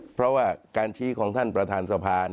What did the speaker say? เพราะว่าการชี้ของท่านประธานสภา